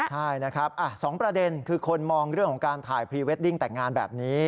ใช่นะครับ๒ประเด็นคือคนมองเรื่องของการถ่ายพรีเวดดิ้งแต่งงานแบบนี้